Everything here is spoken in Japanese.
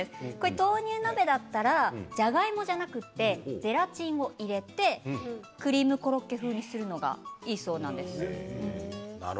豆乳鍋だったらじゃがいもじゃなくてゼラチンを入れてクリームコロッケ風にするのがいいそうなんです。